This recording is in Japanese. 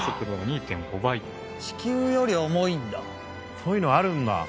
そういうのあるんだ。